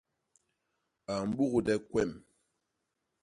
A mbugde kwem.